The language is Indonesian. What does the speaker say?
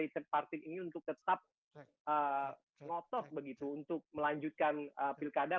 suasana kebatinan dari triparty ini untuk tetap ngotot begitu untuk melanjutkan pilkada